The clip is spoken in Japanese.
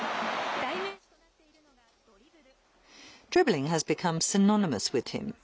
代名詞となっているのがドリブル。